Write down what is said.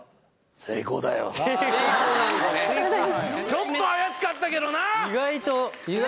ちょっと怪しかったけどな！